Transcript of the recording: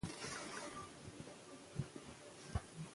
ته ورځه زه در پسې یم زه هم ژر در روانېږم